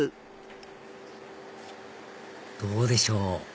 どうでしょう？